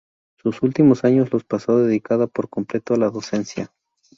Sus últimos años los pasó dedicada por completo a la docencia.